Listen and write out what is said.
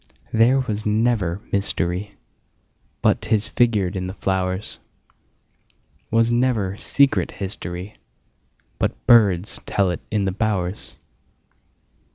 There was never mysteryBut 'tis figured in the flowers; SWas never secret historyBut birds tell it in the bowers.